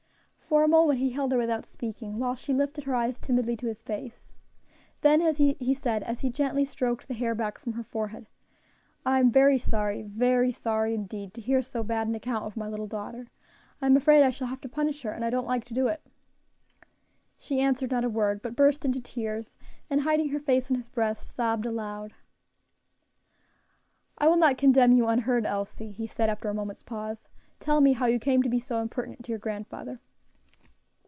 For a moment he held her without speaking, while she lifted her eyes timidly to his face. Then he said, as he gently stroked the hair back from her forehead, "I am very sorry, very sorry indeed, to hear so bad an account of my little daughter. I am afraid I shall have to punish her, and I don't like to do it." She answered not a word, but burst into tears, and hiding her face on his breast, sobbed aloud. "I will not condemn you unheard, Elsie," he said after a moment's pause; "tell me how you came to be so impertinent to your grandfather."